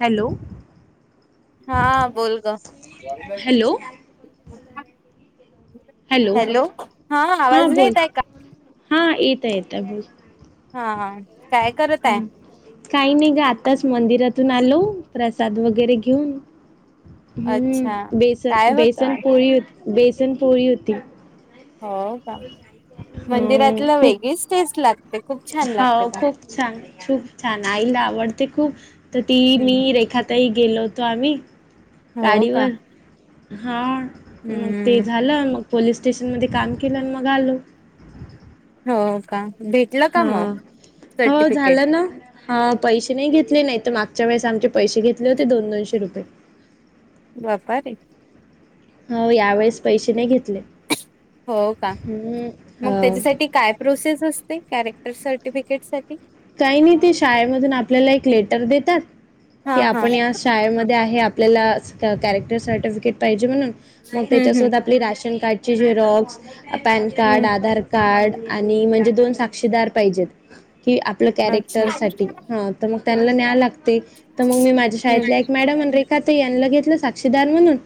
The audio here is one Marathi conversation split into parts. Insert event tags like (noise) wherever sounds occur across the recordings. हॅलो हा बोल ग हॅलो हॅलो हा आवाज नाहीेत आहे का हा येत येत बोल हा काय करत आहे हम्म काही नाही ग आताच मंदिरातून आलो प्रसाद वगैरे घेऊन अच्छा हम्म बेसन काय होत बेसन पोरी होती बेसन पोरी होती हो का ह मंदिरातलं खूप वेगळीच टेस्ट लागते खूप छान लागते हो पण खूप छान खूप छान आईला आवडते खूप तर ती मी हम्म रेखा आताही गेलो होतो आम्ही हो का गाडीवर हां मग ते हम्म झालं मग पोलीस स्टेशन मध्ये काम केलं मग आलो हो का भेटलं का हा मग हो सर्टिफिकेट झालं ना हा पैसे नाही घेतले नाही तर मागच्या वेळेस आमचे पैसे घेतले होते दोन दोनशे रुपये व्यापारी हो यावेेळेस पैसे नाही घेतले. हो का हम्म, मग हो त्याच्यासाठी काय प्रोसेस असते कॅरेक्टर सर्टिफिकेट साठी- काही नाही ते शाळेमधून आपल्याला एक लेटर देतात हा की हा आपण हम्म या शाळेमध्ये आहे आपल्याला कॅरेक्टर सर्टिफिकेट पाहिजे म्हणून मग त्याच्यासो हम्म आपली राशन कार्डची जे रॉक्स पॅन कार्ड हम्म आधार कार्ड आणि म्हणजे दोन साक्षीदार पाहिजेत ही आपलं अच्छा कॅरेक्टर हम्म साठी हा तर मग त्यांला न्याय लागते तर मग मी माझ्या शाळेतला एक मॅडम रे काता यां घेतलं साक्षीदार म्हणून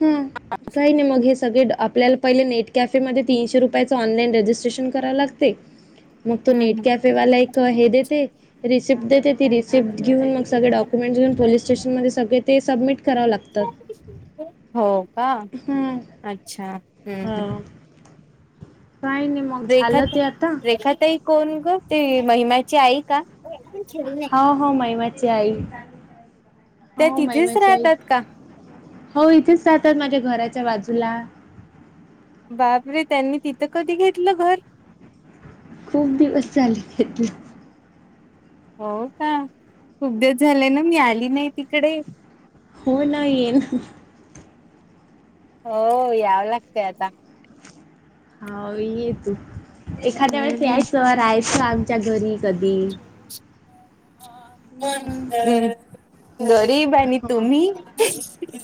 हा ह काही नाही मग हे सगळे आपल्याला पहिले नेट कॅफेमध्येध्ये तीनशे रुपयाचं ऑनलाईन रजिस्ट्रेशन करावं लागते मग तो नेट हम्म कॅफेवाला एक हे देते रिसिप्ट देते ती रिसिप्ट घेऊन मग सगळे हम्म डॉक ें पोलीस स्टेशन म सगळे ते सबमि कव लागतात हो का हम्म अच्छा हम् हम् काय नाही म रेखा रेखा तई कोण ग ते महिमची आई का हो महिमाची आई त्या हो तिथेच महिमाची आई राहतात का हो इथेच राहातात माझ्या घराच्या बाजूला- बाप रे त्यांनी तिथं कधी घेतलं घर खूप दिवस चाले घेतले हो का खूप दिस झालंय ना मी आली नाही तिकडे हो ना येन हो यावं लागतंय आता हा येेतू एखाद्या वेळेस याय हम्म संयच का आमच्या घरी कधी हम् हम्म. गरीब आहे आणि हा तुम्ही ह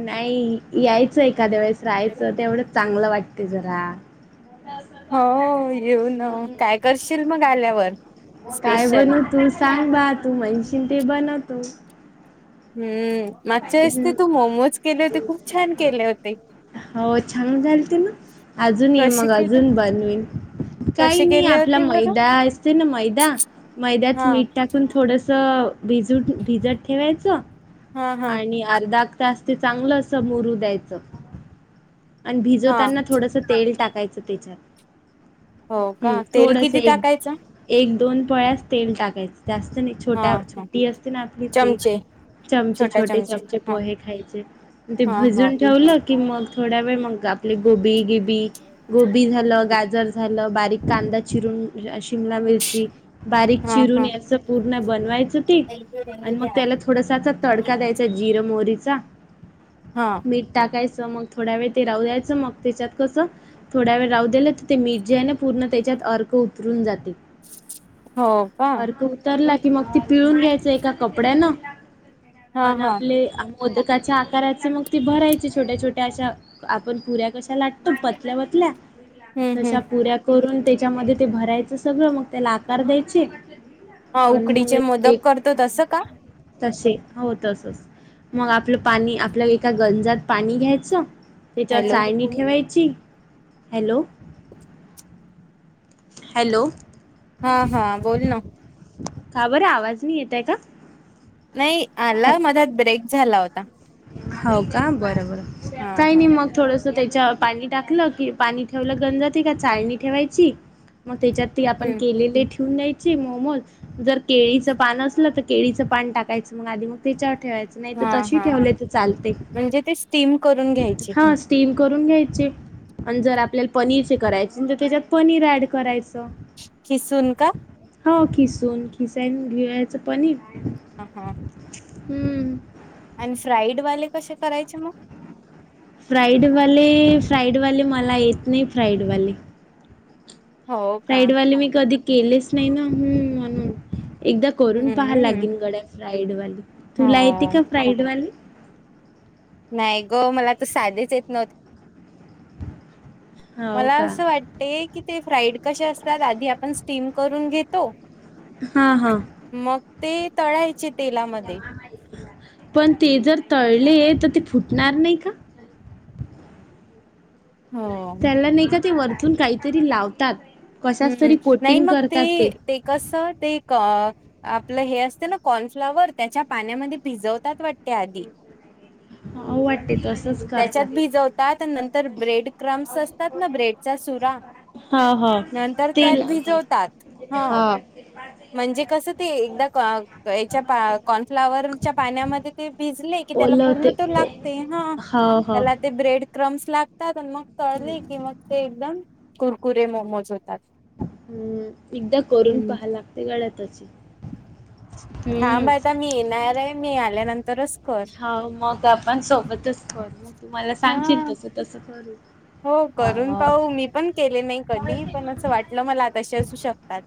नाही यायचं एखाद्या वेळेस राहायचं ते एवढं चांगलं वाटत तेजरा हो येऊन काय करशील मग आल्यावर काय स्पेशल बनवतू सांग ब तू म्हैशीन ते बनवतो हम्म मगच्या वस्ते हम्म, तू मोमोज केले होते खूप छान केले होते हो छांान झाल ते ना अजून ये कसे मग केले अजून बनवेल काही कसे नाही केले आपला होते बरं मैदा असते ना मैदा मैद्यात हा मीठ टाक पण थोडस भिजू भिजत ठेवायचं हा हा आणि अर्धा क तास ते चांगलं अस भुरू द्यायचं. आण हा भिजवतांना थोडस तेल टाकायचं तेच्यात. हो का तेल किती टाकायचं? एक, दोन पळ्यास तेल टाकायचं. जास्त नाही हा छोट्या हा छोटी असते ना, आपली ते चमचे चमच. छोटा ते चमचे हा पोहे खायचे ते हा हा भीजून ठेवलं की मग थोड्या वेळ मग आपले गोबी गिबी गोबी झालं गाजर झालं बारीक कांदा चिरून र शिमला मिरची बारीक हा हा चिरून ए हा असं पूर्ण बनवायचं ते आणि मग त्याला थोडसा असा तड ईर मोरीचा. हा. मीठ टाकायचं मग थोड्या वेळ ते रावू द्यायचं मग त्याच्यात कसं थोड्या वेळ राहू दिलं त ते मीठ जे ने पूर्ण त्याच्यात अर्क उतरून जाते. हो का अरक उतरला की मग ती पिळून घ्यायचं एका कपड्यान. (inaudible) हा आण हा आपले मोदकाच्या आकाराच मग ती भरायची छोट्या, छोट्या अश्या आपण पुऱ्या कश्या लाटतो पतल्या, पतल्या हम्म हम्म तशा पुऱ्या करून त्याच्यामध्ये ते भरायचं सगळं मग त्याला आकार द्यायचे. (inaudible) ह आणि मग उकडीचे मोदक एक करतो तसं का? तसे. हो तसच मग आपलं पाणी आपल्या एका गंजात पाणी घ्यायचं. त्याच्यावर हॅलो चायणी ठेवाय ची हॅलो हॅलो. हा हा बोल ना. का बर आहे आवाज नाही येतय का? नाही आला मधात ब्रेक झाला होता. हो का बरोबर हा काही हा नाही मग थोडस (inaudible) त त्याच्या पाणी टाकलं की पाणी ठेवलं गंजाती का चाळणी ठेवायची मग त्याच्यात ते आपण हम्म केलेले ठेवून नाहीत. ची मोमोज जर केळीचं पान असलं तर केळीचं पान टाकायचं मग आधी मग त्याच्यावर ठेवायच. नाही त हा तशी हा ठेवलेत. म्हणजे ते स्टीम करून घ्यायची. ह स्टीम करून घ्यायचे. आण जर आपल्याला पनीरचे करायचे त त्याच्यात पनीर ऍड करायचं. खिसन का? हो किसून खिसायन घीळायचं पनीर. हा हां. (unintelligible) हम्म. आणि फ्राईड वाले कसे करायचे म? फ्राईडवाले फ्राईडवाले मला येत नाही फ्राईडवाले. हो का फ्राईडवाले मी कधी केलेच नाही ना, हम्म म्हणून एकदा करून पहा हम्म लागिन गड्या. फ्राईडवाली तुला हो येते का फ्राईडवाली. नाही ग मला त साधेच येत नव्हते. हो मला का असं वाटते की ते फ्राईड कसे असतात आधी आपण स्टीम करून घेतो. हा हा. मग ते तळायचेत. पण ते जर तळले तर ते फुटणार नाही का? (inaudible) हो. त्याला नाही का ते वरतून काहीतरी लावतात कशच हम्म तरी नाही कोटिंग मग करतात ते. ते कसं ते क आपलं हे असत ना, कॉर्नफ्लाॉवर त्याच्या पाण्यामध्ये भिजवतात वाटते आधी. हा वाटेते. तसंच त्याच्यात करतात भिजवतात नंतर ब्रेड क्रम्स असतात ना ब्रेडचा सुरा हा हा ते हा म्हणजे कसं ते एकदा याच्या कॉर्नफ्लावरच्या पाण्यामध्ये ते भिजले त्याला ओल पूर्ण ते त ओ लागते हा हो हो त्याला. ते ब्रेड क्रम्स लागतात आणि मग तळले की,, ते एकदम कुरकुरे मोमोज होतात. हम्म एकदा करून हम्म पहा लागते गळ्यातचे. थांब आता मी येणार आहे मी आल्यानंतरच, कर हा, मग आपण सोबतच कर मग तुम्हाला हा सांगशील तसं तस करू. हो करून हा पहा मी पण केले नाही कधी पण असं वाटलं मला तसे असू शकतात.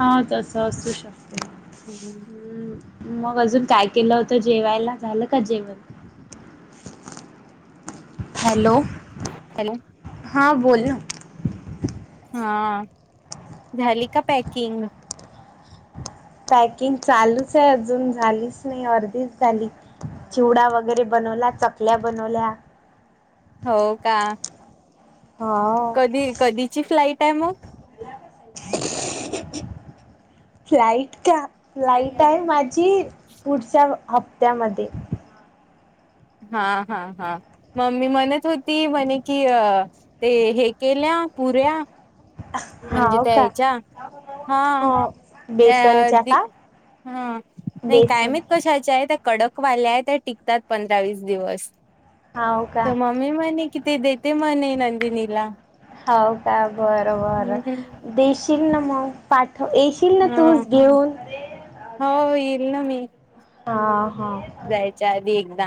हा, तसं असू शकते. हम्म. हम्, मग अजून काय केलं होतं जेवायला झालं का जेवण? हॅलो! हॅलो! हां बोल ना. हा झाली का पॅकिंग? पॅकिंग चालूच आहे अजून झालीच नाही अर्धीच झाली चिवडा वगैरे बनवला चकल्या बनवल्या हो का हा कधी कधी ची फ्लाईट आहे मग? ड फ्लाईट आहे माझी पुढच्या हप्त्यामध्ये. हा, हा, हा.. मम्मी म्हणत होती म्हणे कि ते हे केल्या पुऱ्या. ह. म्हणजे त्या ह्याच्या हा, हो त्या बेसनच्या का हा नाही बेसन कायमत कशाच्या आहे? कडकवाल्या आहे त्या टिकतात पंधरा वीस दिवस. हा हो का? आही म्हणे कि ते देते म्हणे नंदिनीला. हो का बरं बर हम्म देशील ना मग? पाठ एश. हा हो येईल ना मी.. ह हा. जायच्या आधी एकदा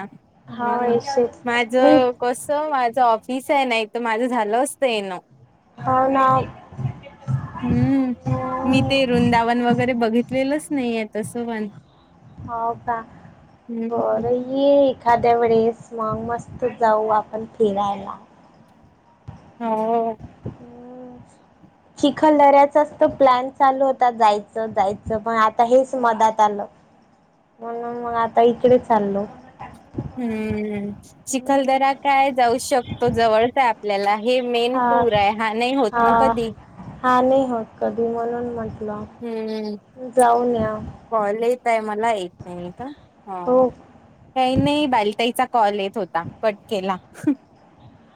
हाव हम् येशील माझ. मी कसं माझं ऑफिस आहे नाही त माझं झालं असतं आहे येणं. हो ना. हम्म, मी ते वृंदावन वगैरे बघितलेलंच नाही आहे तसं पण हो का हम्म. बर ये एखाद्या वेळेस स्ॉग मस्त जाऊ आपण फिरायला. हो....... ह.. शिखलऱ्याचाच तर प्लॅन चालू होता जायचं जायचं पण आता हेच मदात आलं. म्हणून मग आता इकडे चाललो... हम्म शिखलदरा काय जाऊ शकतो जवळचा. आपल्याला हे मेन हा टूर आहे हा नाही होत हा ना कधी? हा नाही होत कधी म्हणून म्हटलं हम्म. जाऊन या. कॉल येत आहे मला एक मिनिट ह. हो काही नाही बालतााईचा कॉल येत होता कट, केला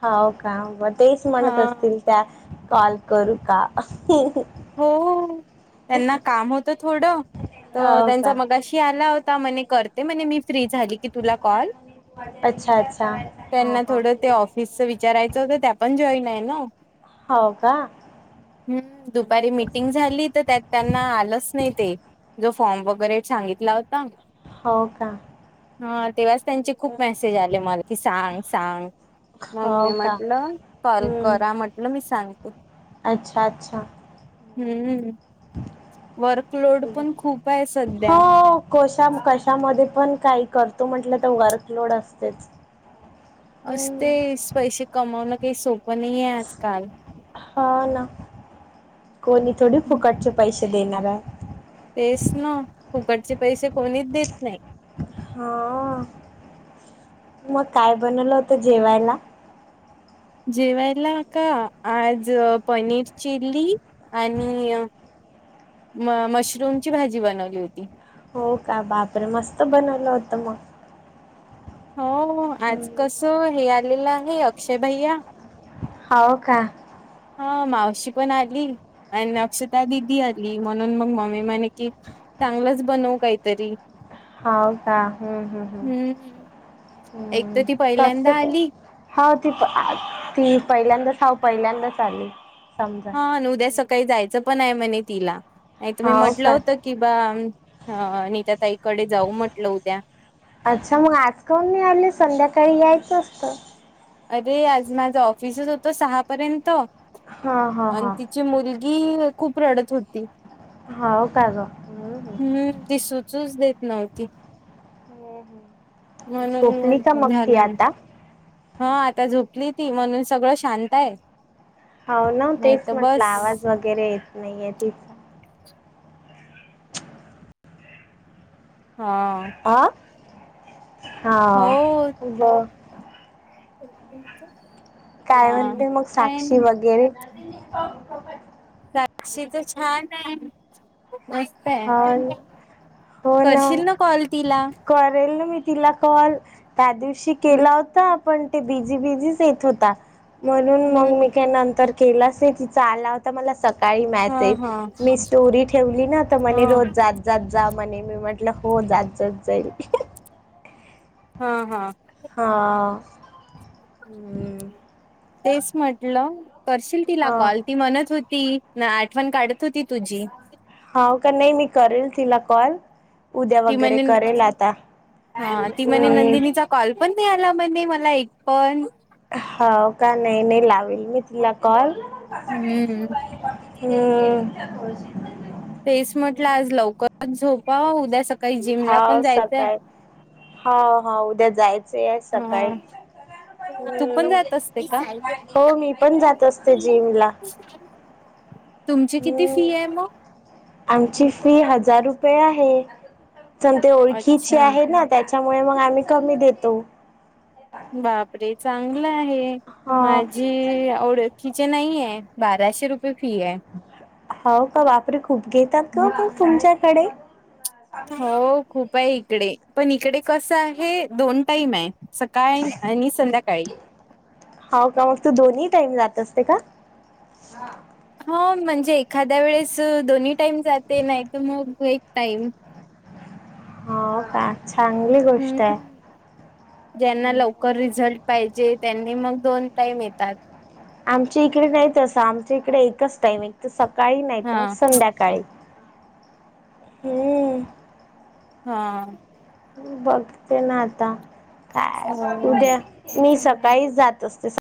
हो का म तेच म्हणत हा. असतील त्या कॉल करू का? हो. घ त्यांना काम होतं थोडं तर हो त्यांचा का मगाशी आला होता म्हणे, म्हणज मी फ्री झाली क तु क अच्छा अच्छा हा त्यांना हा थोड, ते ऑफिसच विचारायचं होत त्या पण जॉईन आहे ना..... हो का हम्म दुख! अच्छा मीटिंग झाली तर त्यात त्यांना आलंच नाही ते? जो फॉर्म वगैरे सांगितला होता. हो का? हा तेव्हाच त्यांचे खूप मेसेज आले मला की सांग सांग. मग मी हो का म्हटलं हम्म कलकरा म्हटलं मी सांपू अच्छा अच्छा हम्म वर्कलोड पण खूप आहे सध्या कशा कशामध्ये पण काही करतो म्हटलं तर वर्कलोड असतेच. अस ते हम्म पैसे कमावणं काही सोपं नाही आहे आजकाल हा ना कोणी थोडी फुकटचे पैसे देणार आहे. तेच ना फुकटचे पैसे कोणीच देत नाही. हा मग काय बनवलं होतं जेवायला? जेवायला का आज पनीर चिली आणि म मशरूमची भाजी बनवली होती. हो का बापरे मस्त बनवलं होतं मग हो आज हम्म. कस हे आलेलं आहे अक्षय भैया होव का? हा मावशी पण आली आणि अक्षताः दिदी आली म्हणून मग मम्मी म्हणे की चांगलंच बनव काहीतरी हो का हम्म हम्म हम् हम्म एक हम्म तर ती पहिल्यांदा कसत का? आली हो ती ती पहिल्यांदाच हाव पहिल्यांदाच आली समजा हा उद्या सकाळी जायचं पण आहे म्हणे तिला आणि तुम्ही हो म्हटलं का होतं. किं बा नी त्या ताईकडे जाऊ म्हटलं होद्या. अच्छा मग आज करून निळाले संध्याकाळी यायचं असतं. अरे आज माझा ऑफिसच होतो सहापर्यंत हा हा हा. ची मुलगी खूप रडत होती. हा हो का ग हम्म ती सुचूच देत नव्हती. हम्म, हम्म. झोपली का म्हणून मग ती झालं. आता हा आता झोपली ती म्हणून सगळं शांत आहे. हो ना नाही तेच तर म्हटलं बस आवाज वगैरे येत नाहीये तीच ह हा आ? हा तेच काय म्हणते मग साक्षी वगैरे साक्षी तर छान आहे. हो का ना करशील ना कॉल तिला करेल ना मी तिला कॉल त्या दिवशी हम्म केला हो. आपण ते बिझी बिझीच येत होता म्हणून मग मी नंतर केला तिचा आला होता मला सकाळी हा मेसेज हा मी स्टोरी ठेवली न म्हणे हा रोज जात जात जा म्हणे मी म्हंटलं हो जात जात जाईल. हा हा हां तेच म्हटलं करशील तिला हा. कॉल ती म्हणत होती आठवण काढत होती तुझी हो का नाही मी करेल तिला कॉल उद्या ती वगैरे म्हणे करेल आता हा ती म्हणे अम नंदिनीचा कॉल पण नाही आला म्हण मला एक पण हो का नाही नाही लावेल मी तिला कॉल हम्म हम् तेच म्हटलं आज लवकरच झोपा उद्या सकाळी जिमला पण जायचंय हा हा उद्या जायचं आहे सकाळी ह तू पण हम् जात असते का हो मी पण जात असते जिम ला तुमची किती फी आहे मग आमची फी हजार रुपये आहे पण ते ओळखीचे अच्छा आहे ना त्याच्यामुळे मग आम्ही कमी देतो बापरे चांगलं आहे हा माझी आवड फिचे नाहीे बाराशे रुपये फी आहे हो का वापरे खूप घेतात ग मग हम्म तुमच्याकडे हो खूप आहे इकडे पण इकडे कस आहे दोन टाईम आहे काय आणि संध्याकाळी हो का मग तू दोन्ही टाईम जात असते का हो म्हणजे एखाद्या वेळेस दोन्ही टाईम जाते नाही तर मग एक टाईम हो का चांगली गोष्ट आहे हम्म ज्यांना लवकर रिझल्ट पाहिजे त्यांनी मग दोन टाईम येतात आमच्या इकडे नाही असं आमच्या इकडे एकच टाईम एक तर सकाळी नाहीत मग हा संध्याकाळी काय हम्म हा बघते ना आता काय हो उद्या मी सकाळीच जात असते